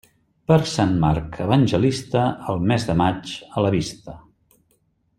Per Sant Marc Evangelista, el mes de maig a la vista.